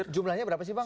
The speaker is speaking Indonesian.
jumlahnya berapa sih bang